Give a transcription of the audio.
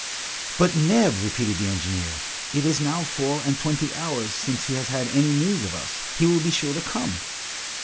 "But Neb?" repeated the engineer. "It is now four and twenty hours since he has had any news of us! He will be sure to come!"